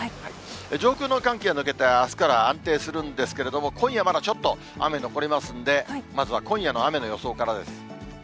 上空の寒気は抜けて、あすから安定するんですけれども、今夜まだちょっと雨残りますんで、まずは今夜の雨の予想からです。